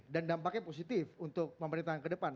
dan dampaknya positif untuk pemerintahan ke depan